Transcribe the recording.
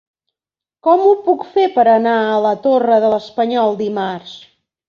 Com ho puc fer per anar a la Torre de l'Espanyol dimarts?